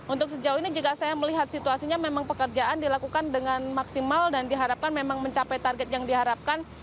untuk sejauh ini jika saya melihat situasinya memang pekerjaan dilakukan dengan maksimal dan diharapkan memang mencapai target yang diharapkan